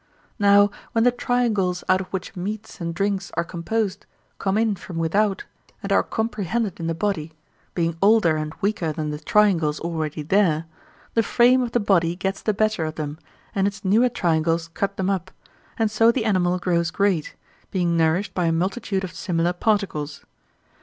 Now when the triangles out of which meats and drinks are composed come in from without, and are comprehended in the body, being older and weaker than the triangles already there, the frame of the body gets the better of them and its newer triangles cut them up, and so the animal grows great, being nourished by a multitude of similar particles.